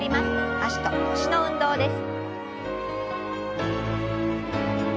脚と腰の運動です。